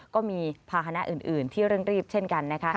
ก็มีภาษณะอื่นที่เร่งรีบเช่นกันนะคะ